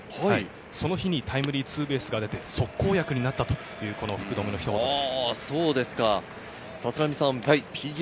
その日にタイムリーツーベースが出て、即効薬になったという福留のひと言です。